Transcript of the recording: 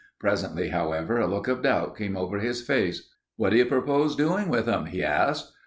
Presently, however, a look of doubt came over his face. "What do you propose doing with them?" he asked.